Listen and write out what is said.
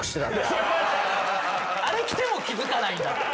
あれ着ても気付かない。